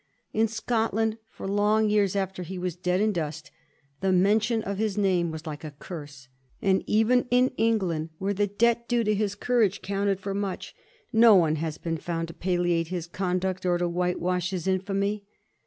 In Scotland, for long years after'he was dead and dust, the mention of his name was like a curse ; and even in England, where the debt due to his courage counted for much, no one has been found to palliate his conduct or to whitewash his infamy.